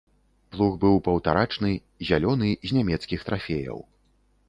Плуг быў паўтарачны, зялёны, з нямецкіх трафеяў.